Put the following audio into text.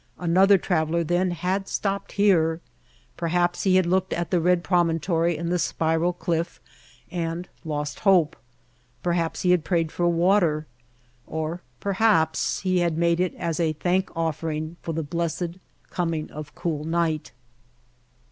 Another traveler, then, had stopped here. Perhaps he had looked at the red promontory and the spiral clifif and lost hope; perhaps he had prayed for water; or perhaps he had made it as a thank ofifering for the blessed coming of cool night.